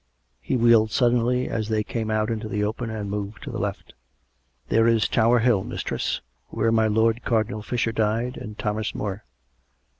He wheeled suddenly as they came out into the open and moved to the left. " There is Tower Hill, mistress; where my lord Cardinal Fisher died, and Thomas More."